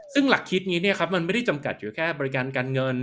ซึ่งหลักคิดนี้มันไม่ได้จำกัดอยู่แค่บริการการเงิน